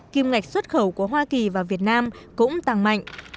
kim ngạch xuất khẩu của hoa kỳ và việt nam cũng tăng mạnh